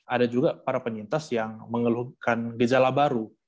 ada juga para penyintas yang mengeluhkan gejala baru